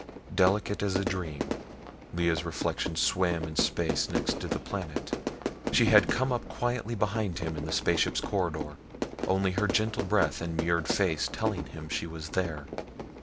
Delicate as a dream, Lea's reflection swam in space next to the planet. She had come up quietly behind him in the spaceship's corridor, only her gentle breath and mirrored face telling him she was there.